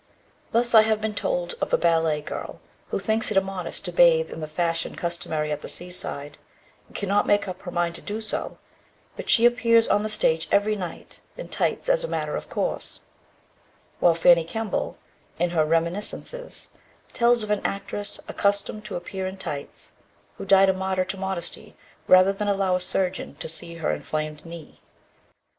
Thus I have been told of a ballet girl who thinks it immodest to bathe in the fashion customary at the seaside, and cannot make up her mind to do so, but she appears on the stage every night in tights as a matter of course; while Fanny Kemble, in her Reminiscences, tells of an actress, accustomed to appear in tights, who died a martyr to modesty rather than allow a surgeon to see her inflamed knee.